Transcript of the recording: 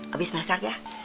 abis masak ya